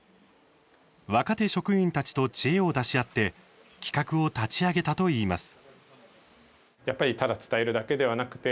若手職員たちと知恵を出し合って企画を立ち上げたといいます。